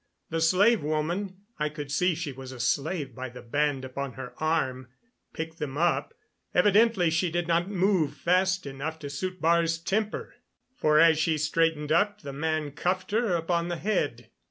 The slave woman I could see she was a slave by the band upon her arm picked them up. Evidently she did not move fast enough to suit Baar's temper, for as she straightened up the man cuffed her upon the head.